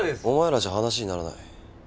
お前らじゃ話にならない。